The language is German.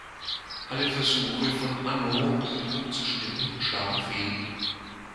Alle Versuche von Anno ihn umzustimmen schlagen fehl.